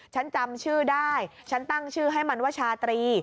ฉันจำชื่อได้ฉันตั้งชื่อให้มันว่าชาตรี